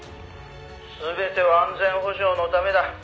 「全ては安全保障のためだ」